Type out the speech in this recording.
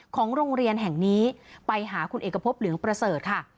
ของโรงเรียนแห่งนี้ไปหาคุณเอกพบเหลืองประเสริฐค่ะ